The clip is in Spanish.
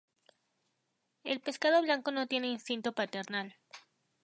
El pescado blanco no tiene instinto paternal.